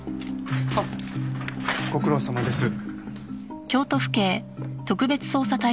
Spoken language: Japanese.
あっご苦労さまです。